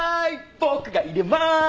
僕が淹れまーす！